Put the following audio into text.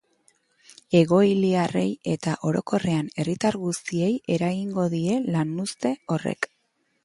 Egoiliarrei eta orokorrean herritar guztiei eragingo die lanuzte horrek.